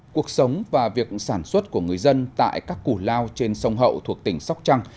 cuộc sống và việc sản xuất của người dân tại các củ lao trên sông hậu thuộc tỉnh sóc trăng